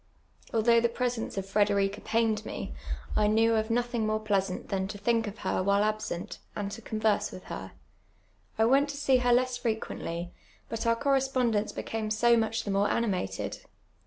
Although the presence of Frederica pained me, I knew of notliint; more ])leasant than to thiidv of licr wliile absent, and to converse willi her. I went to see her less frecjuently, but our correspondence became so much the more animated.